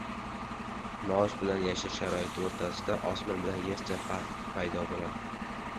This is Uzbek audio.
Maosh bilan yashash sharoiti o‘rtasida osmon bilan yercha farq paydo bo‘ldi.